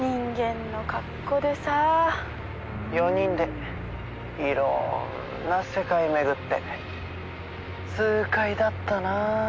４人でいろんな世界巡って痛快だったなあ。